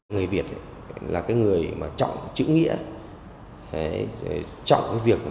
người việt là người trọng chữ nghĩa trọng việc học hành